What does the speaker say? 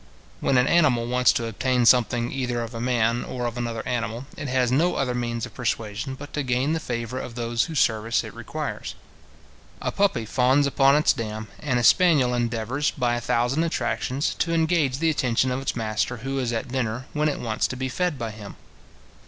When an animal wants to obtain something either of a man, or of another animal, it has no other means of persuasion, but to gain the favour of those whose service it requires. A puppy fawns upon its dam, and a spaniel endeavours, by a thousand attractions, to engage the attention of its master who is at dinner, when it wants to be fed by him.